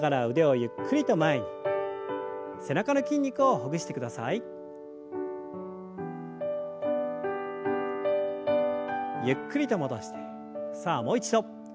ゆっくりと戻してさあもう一度。